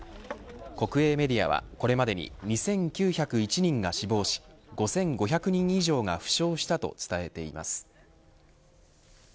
国営メディアはこれまでに２９０１人が死亡し５５００人以上が負傷したと伝えています。